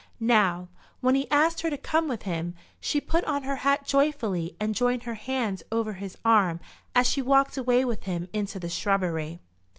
Now, when he asked her to come with him, she put on her hat joyfully, and joined her hands over his arm as she walked away with him into the shrubbery.